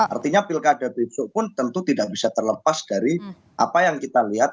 artinya pilkada besok pun tentu tidak bisa terlepas dari apa yang kita lihat